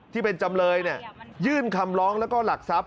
จำเลยยื่นคำร้องแล้วก็หลักทรัพย